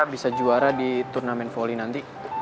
bisa juara di turnamen volley nanti